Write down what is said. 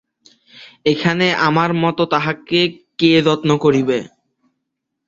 এখানে আমার মতো তাঁহাকে কে যত্ন করিবে?